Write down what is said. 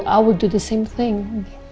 aku akan melakukan hal yang sama